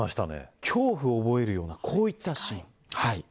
恐怖を覚えるようなこういったシーン。